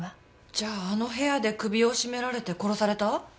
じゃああの部屋で首を絞められて殺された？